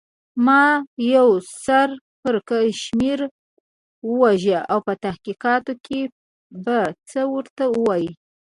ما یو سر پړکمشر و وژه، په تحقیقاتو کې به څه ورته وایې؟